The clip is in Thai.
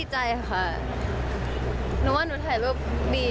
ได้เพราะผมถ่ายจักรภูมิ